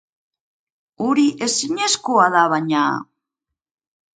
Hori ezinezkoa da, baina!